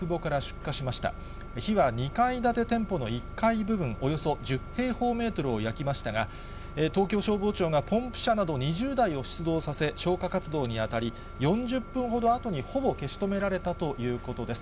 火は２階建て店舗の１階部分およそ１０平方メートルを焼きましたが、東京消防庁がポンプ車など２０台を出動させ、消火活動に当たり、４０分ほどあとにほぼ消し止められたということです。